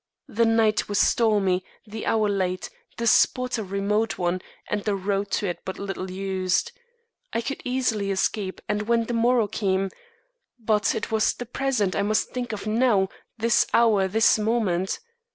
The night was stormy, the hour late, the spot a remote one, and the road to it but little used. I could easily escape and when the morrow came but it was the present I must think of now, this hour, this moment.